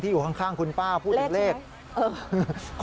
ที่อยู่ข้างคุณป้าผู้ถึงเลขเลขใช่ไหมเออ